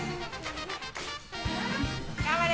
頑張れ。